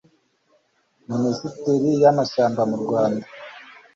ministeri y'amashyamba mu rwanda